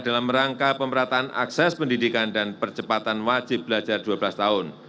dalam rangka pemerataan akses pendidikan dan percepatan wajib belajar dua belas tahun